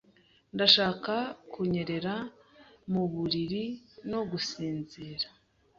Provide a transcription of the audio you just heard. Ndashaka kunyerera mu buriri no gusinzira.